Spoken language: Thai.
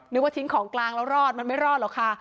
นึกว่าทิ้งของกลางแล้วรอดมันไม่รอดหรอกค่ะ